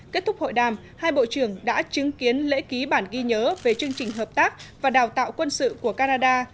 kết thúc hội đàm hai bộ trưởng đã chứng kiến lễ ký bản ghi nhớ về chương trình hợp tác và đào tạo quân sự của canada